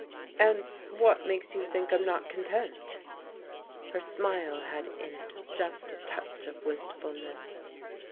"And what makes you think that I'm not content?" Her smile had in it just a touch of wistfulness.